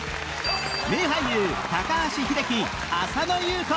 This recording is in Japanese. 名俳優高橋英樹浅野ゆう子